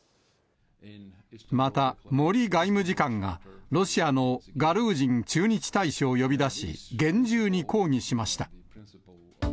また、森外務次官が、ロシアのガルージン駐日大使を呼び出し、厳重に抗議しました。